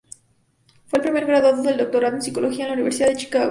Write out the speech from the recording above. Fue el primer graduado del doctorado en psicología en la Universidad de Chicago.